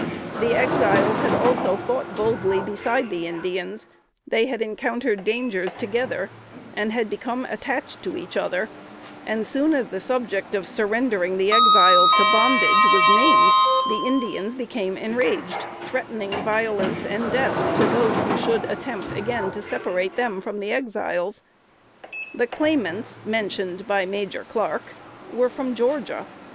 The Exiles had also fought boldly beside the Indians; they had encountered dangers together, and had become attached to each other; and soon as the subject of surrendering the Exiles to bondage was named, the Indians became enraged, threatening violence and death to those who should attempt again to separate them from the Exiles. The claimants mentioned by Major Clark, were from Georgia.